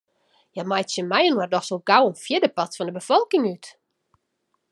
Hja meitsje mei-inoar dochs al gau in fjirdepart fan 'e befolking út.